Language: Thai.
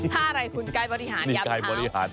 ผ้าอะไรคุณไกรบริหารยับเท้า